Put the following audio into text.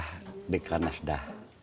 itu akan ada dekranasda